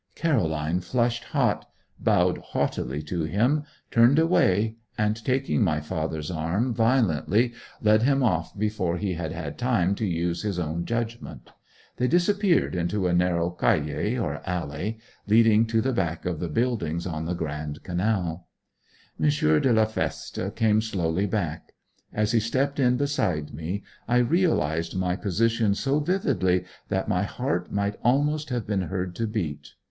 Caroline flushed hot, bowed haughtily to him, turned away, and taking my father's arm violently, led him off before he had had time to use his own judgment. They disappeared into a narrow calle, or alley, leading to the back of the buildings on the Grand Canal. M. de la Feste came slowly back; as he stepped in beside me I realized my position so vividly that my heart might almost have been heard to beat.